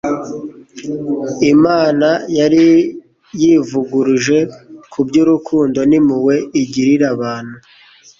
Imana yari yivuguruje ku by'urukundo n'impuhwe igirira abantu.